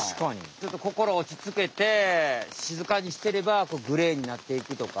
ちょっとこころおちつけてしずかにしてればグレーになっていくとか。